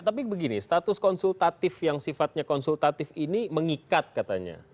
tapi begini status konsultatif yang sifatnya konsultatif ini mengikat katanya